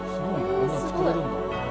こんなの作れるんだね。